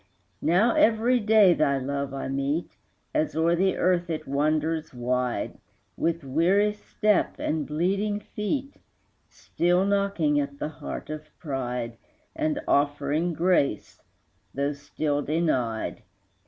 Now every day thy love I meet, As o'er the earth it wanders wide, With weary step and bleeding feet, Still knocking at the heart of pride And offering grace, though still denied.